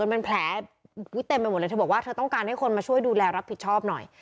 มันแผลเต็มไปหมดเลยเธอบอกว่าเธอต้องการให้คนมาช่วยดูแลรับผิดชอบหน่อย